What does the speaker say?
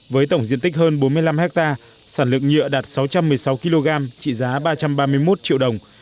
với tổng diện tích hơn bốn mươi năm hectare sản lượng nhựa đạt sáu trăm một mươi sáu kg trị giá ba trăm ba mươi một triệu đồng